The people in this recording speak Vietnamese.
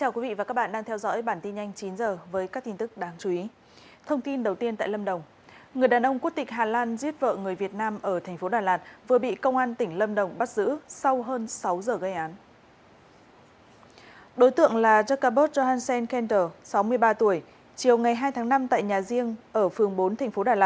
các bạn hãy đăng ký kênh để ủng hộ kênh của chúng mình nhé